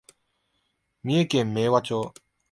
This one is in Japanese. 三重県明和町